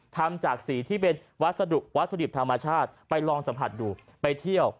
ทำจากสีที่เป็นวัสดุวัตถุดิบธรรมชาติไปลองสัมผัสดูไปเที่ยว